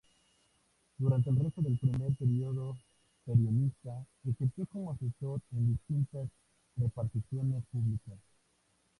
Durante el resto del primer período peronista ejerció como asesor en distintas reparticiones públicas.